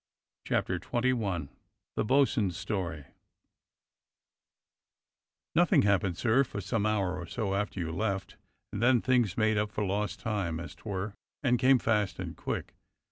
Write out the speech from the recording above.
CHAPTER XXI THE BO'sUN's story NOTHING happened, sir, for some hour or so after you left, and then things made up for lost time, as 'twere, and came fast and quick.